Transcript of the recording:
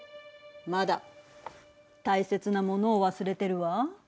まだ大切なものを忘れてるわ。